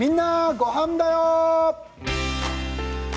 ゴハンだよ」。